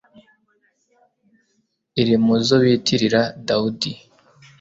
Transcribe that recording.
iri mu zo bitirira dawudi